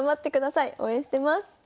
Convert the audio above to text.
応援してます。